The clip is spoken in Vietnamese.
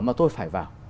mà tôi phải vào